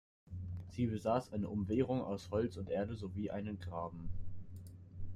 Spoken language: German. Sie besaßen eine Umwehrung aus Holz und Erde sowie einem Graben.